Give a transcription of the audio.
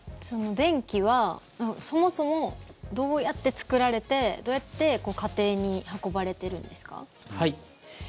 電気はそもそもどうやって作られてどうやって家庭に運ばれてるんですか？